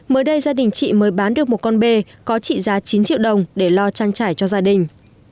mới đây gia đình chị mới bán được một con bê có trị giá chín triệu đồng để lo trang trải cho gia đình